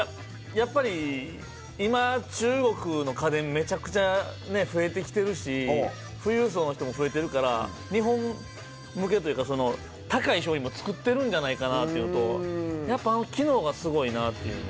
やっぱり今中国の家電めちゃくちゃね増えてきてるし富裕層の人も増えてるから日本向けというかっていうのとやっぱあの機能がすごいなっていうね。